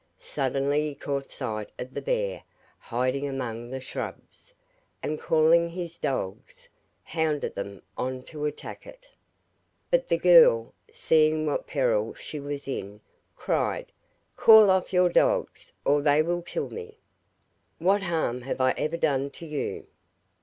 Suddenly he caught sight of the bear hiding among the shrubs, and calling his dogs, hounded them on to attack it. But the girl, seeing what peril she was in, cried, 'Call off your dogs, or they will kill me. What harm have I ever done to you?